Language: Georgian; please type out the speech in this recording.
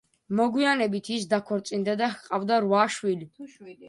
მოგვიანებით ის დაქორწინდა და ჰყავდა რვა შვილი.